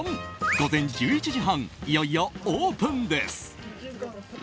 午前１１時半いよいよオープンです。